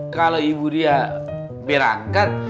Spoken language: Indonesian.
kalau ibu dia berangkat